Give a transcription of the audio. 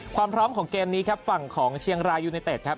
ความพร้อมของเกมนี้ครับฝั่งของเชียงรายยูเนเต็ดครับ